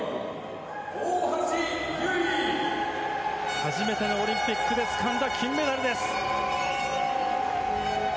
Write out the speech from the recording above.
初めてのオリンピックでつかんだ金メダルです。